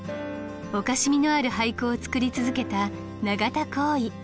おかしみのある俳句を作り続けた永田耕衣。